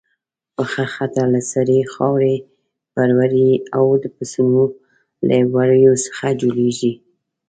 پخه خټه له سرې خاورې، پروړې او د پسونو له وړیو څخه جوړیږي.